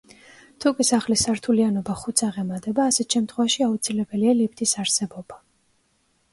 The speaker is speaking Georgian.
თუკი სახლის სართულიანობა ხუთს აღემატება, ასეთ შემთხვევაში, აუცილებელია ლიფტის არსებობა.